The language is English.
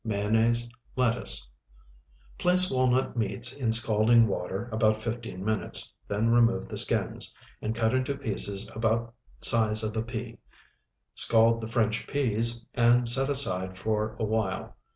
Mayonnaise. Lettuce. Place walnut meats in scalding water about fifteen minutes, then remove the skins, and cut into pieces about size of a pea. Scald the French peas, and set aside for a while.